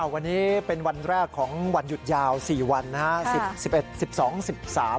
วันนี้เป็นวันแรกของวันหยุดยาว๔วันนะครับ